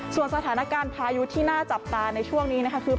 ส่วนสถานการณ์พายุที่น่าจับตาในช่วงนี้นะคะคือ